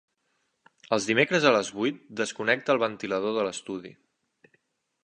Els dimecres a les vuit desconnecta el ventilador de l'estudi.